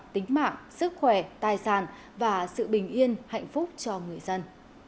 tính mạng sức khỏe tài sản và sự bình yên hạnh phúc cho người dân